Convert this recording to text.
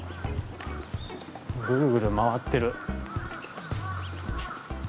ぐるぐる回ってる。